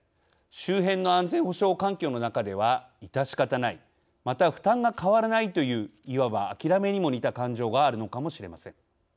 周辺の安全保障環境の中では致し方ないまた負担が変わらないといういわば諦めにも似た感情があるのかもしれません。